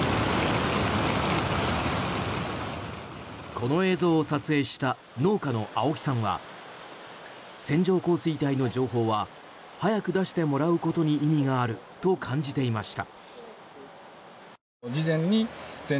この映像を撮影した農家の青木さんは線状降水帯の情報は早く出してもらうことに意味があると感じていました。